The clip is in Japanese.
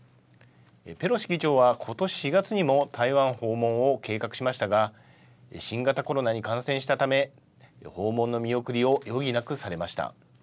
ペロシ議長は、ことし４月にも台湾訪問を計画しましたが新型コロナに感染したため訪問の見送りを余儀なくされました。